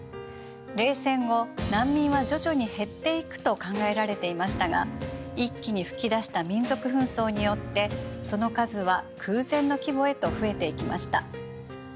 冷戦後難民は徐々に減っていくと考えられていましたが一気に噴き出した民族紛争によってその数は空前の規模へと増えていきました。